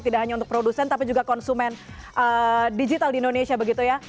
tidak hanya untuk produsen tapi juga konsumen digital di indonesia begitu ya